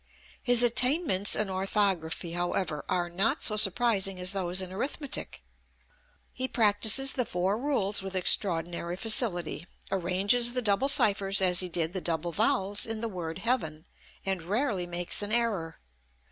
His attainments in orthography, however, are not so surprising as those in arithmetic. He practises the four rules with extraordinary facility, arranges the double ciphers as he did the double vowels in the word Heaven, and rarely makes an error.